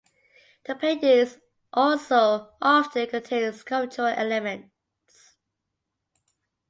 The paintings also often contain sculptural elements.